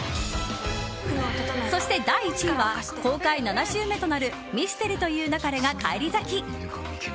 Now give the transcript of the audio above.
そして、第１位は公開７週目となる「ミステリと言う勿れ」が返り咲き！